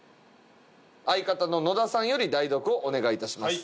相方の野田さんより代読をお願いいたします。